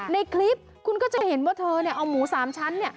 ในคลิปคุณก็จะเห็นว่าเธอเนี่ยเอาหมู๓ชั้นเนี่ย